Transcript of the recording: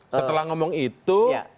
setelah ngomong itu